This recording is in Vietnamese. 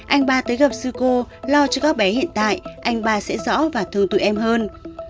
anh ba tới gặp sico lo cho các bé hiện tại anh ba sẽ rõ và thương tụi em hơn